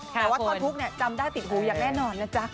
แต่ว่าท่อนทุกข์จำได้ติดหูอย่างแน่นอนนะจ๊ะ